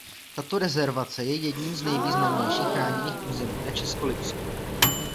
Tato rezervace je jedním z nejvýznamnějších chráněných území na Českolipsku.